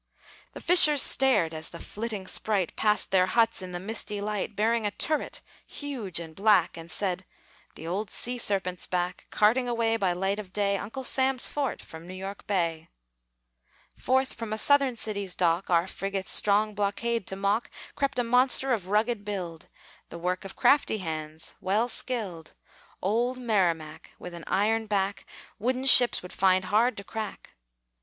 The fishers stared as the flitting sprite Passed their huts in the misty light, Bearing a turret huge and black, And said, "The old sea serpent's back, Carting away by light of day, Uncle Sam's fort from New York Bay." Forth from a Southern city's dock, Our frigates' strong blockade to mock, Crept a monster of rugged build, The work of crafty hands, well skilled Old Merrimac, with an iron back Wooden ships would find hard to crack.